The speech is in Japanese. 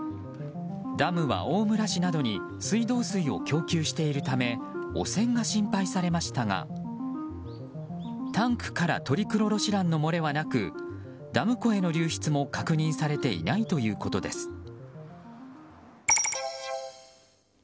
ダムは大村市などに水道水を供給しているため汚染が心配されましたがタンクからトリクロロシランの漏れはなくダム湖への流出も確認されていないということです。